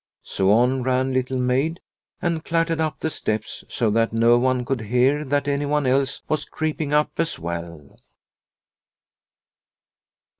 So on ran Little Maid and clattered up the steps so that no one could hear that anyone else was creeping up as well.